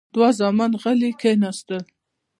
دوه زامن غلي کېناستل.